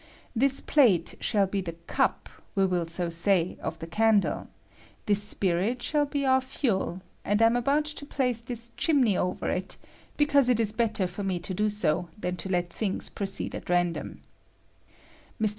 This plate shall be the "cup," we *ill so say, of the candle ; this spirit shall be our fuel ; and I am about to place this chimney I I 62 THE FIRE BALLOON. over it, because it is better for me to do so tlian to let things proceed at raodotn. Mr.